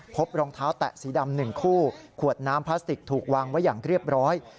พบรองเท้าแตะสีดำ๑คู่ขวดน้ำพลาสติกถูกวางไว้อย่างเรียบร้อย